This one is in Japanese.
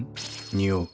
匂う。